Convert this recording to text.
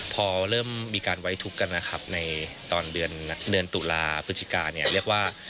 พอเริ่มมีการไวทุกข์กันนะครับในตอนเดือนตุลาพฤศิกา